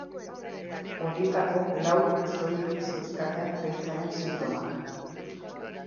Horietako lauk soilik zeuzkaten gaitzaren sintomak.